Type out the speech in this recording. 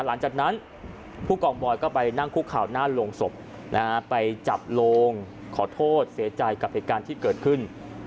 หลังจากนั้นผู้กองบอยก็ไปนั่งคุกข่าวหน้าโรงศพนะฮะไปจับโลงขอโทษเสียใจกับเหตุการณ์ที่เกิดขึ้น